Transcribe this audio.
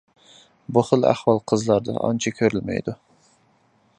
بۇ خىل ئەھۋال قىزلاردا ئانچە كۆرۈلمەيدۇ.